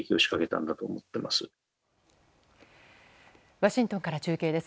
ワシントンから中継です。